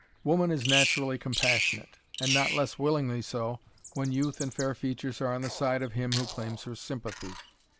Woman is naturally compassionate, and not less willingly so when youth and fair features are on the side of him who claims her sympathy.